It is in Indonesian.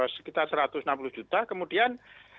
sekitar satu ratus enam puluh juta kemudian